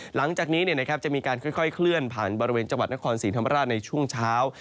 หลังจากนี้จะมีการค่อยเคลื่อนผ่านบริเวณจังหวัดนครศรีธรรมราชในช่วงเช้า